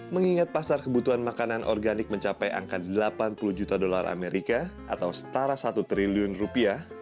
mengingat pasar kebutuhan makanan organik mencapai angka delapan puluh juta dolar amerika atau setara satu triliun rupiah